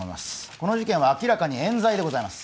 この事件は明らかに冤罪でございます